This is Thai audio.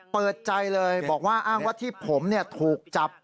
เปิดใจเลยบอกว่าอ้างว่าที่ผมถูกจับ